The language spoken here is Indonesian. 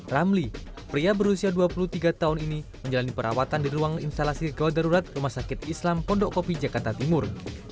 ramli pria berusia dua puluh tiga tahun ini menjalani perawatan di ruang instalasi gawat darurat rumah sakit islam pondok kopi jakarta timur